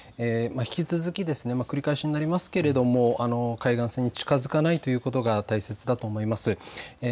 引き続き繰り返しになりますけれども海岸線に近づかないということが大切だと思います。